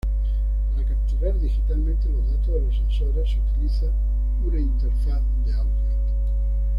Para capturar digitalmente los datos de los sensores se utiliza una interfaz de audio.